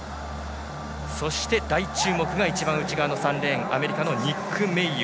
そして大注目が一番内側の３レーンアメリカのニック・メイユー。